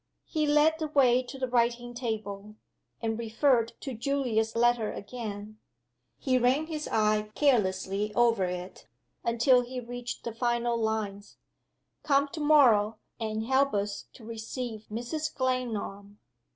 He led the way to the writing table, and referred to Julius's letter again. He ran his eye carelessly over it, until he reached the final lines: "Come to morrow, and help us to receive Mrs. Glenarm."